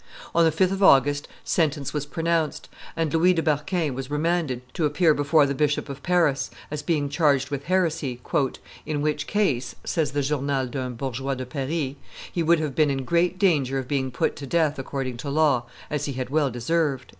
On the 5th of August sentence was pronounced, and Louis de Berquin was remanded to appear before the Bishop of Paris, as being charged with heresy, "in which case," says the Journal d'un Bourgeois de Paris, "he would have been in great danger of being put to death according to law, as he had well deserved."